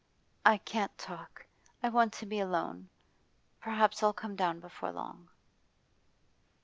'I can't talk. I want to be alone. Perhaps I'll come down before long.